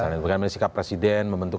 misalnya bagaimana sikap presiden